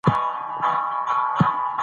ایا ده د جنګي الوتکو پیلوټ دی؟